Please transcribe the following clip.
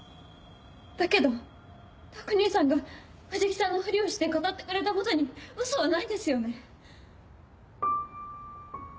だけど拓兄さんが藤木さんのフリをして語ってくれたことにウソはないですよね？